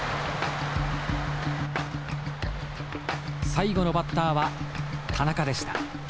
最後のバッターは田中でした。